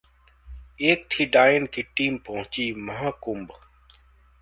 'एक थी डायन' की टीम पहुंची महाकुंभ...